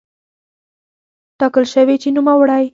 ټاکل شوې چې نوموړی